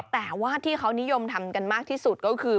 แต่ว่าที่เขานิยมทำกันมากที่สุดก็คือ